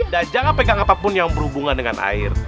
dan jangan pegang apapun yang berhubungan dengan air